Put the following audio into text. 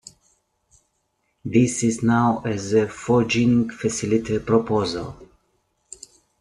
This is known as the foraging facilitator proposal.